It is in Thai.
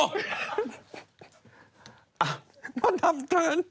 อ้าวมันทำเถิน